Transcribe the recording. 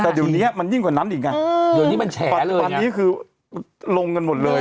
แต่เดี๋ยวนี้มันยิ่งกว่านั้นอีกไงเดี๋ยวนี้มันแชร์เลยตอนนี้คือลงกันหมดเลย